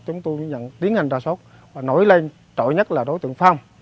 chúng tôi tiến hành ra sóc và nổi lên trọi nhất là đối tượng phong